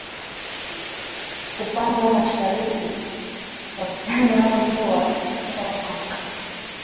Upande wa Mashariki wastani wa mvua kwa mwaka